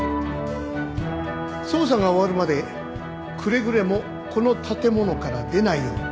捜査が終わるまでくれぐれもこの建物から出ないように。